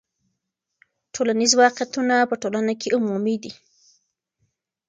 ټولنیز واقعیتونه په ټولنه کې عمومي دي.